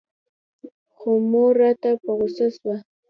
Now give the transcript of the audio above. خو مور راته په غوسه سوه.